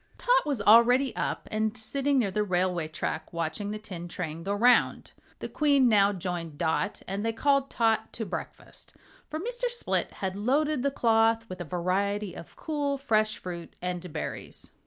Tot was already up and sitting near the railway track watching the tin train go round. The Queen now joined Dot and they called Tot to breakfast, for Mr. Split had loaded the cloth with a variety of cool, fresh fruit and berries.